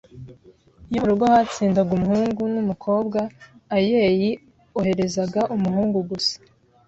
Iyo mu rugo hatsindaga umuhungu n’umukowa ayeyi oherezaga umuhungu gusa